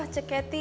cek kety ya